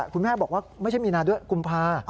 คุณแม่บอกว่าไม่ใช่มีนาด้วยกุมภา